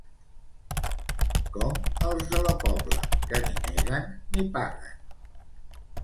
Com els de la Pobla, que ni neguen ni paguen.